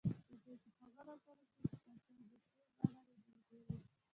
د دوی په خبرو اترو کې تصادفي بڼه لیدل کیږي